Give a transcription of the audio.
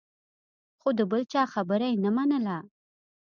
خو د بل چا خبره یې نه منله.